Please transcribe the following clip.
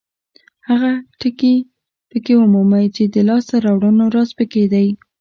هغه ټکي پکې ومومئ چې د لاسته راوړنو راز پکې دی.